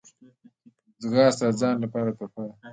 ځغاسته د ځان لپاره تحفه ده